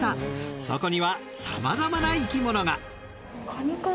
そこにはさまざまな生き物が。